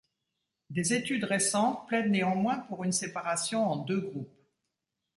Des études récentes plaident néanmoins pour une séparation en deux groupes.